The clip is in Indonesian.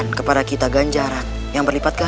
sehingga kalau anda consolidate dalam harga